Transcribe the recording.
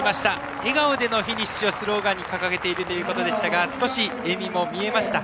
笑顔でのフィニッシュをスローガンに掲げているということでしたが少し笑みも見えました。